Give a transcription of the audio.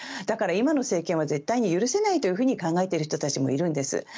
だから今の政権は絶対に許せないと考えている人たちもいるんです。